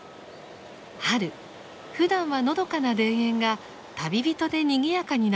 春ふだんはのどかな田園が旅人でにぎやかになります。